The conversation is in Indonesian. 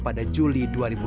pada juli dua ribu delapan belas